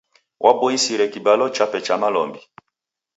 Waboisire kibalo chape cha malombi.